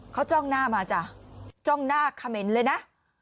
เขาจ้องหน้ามาจ้ะจ้องหน้าเขม็นเลยนะ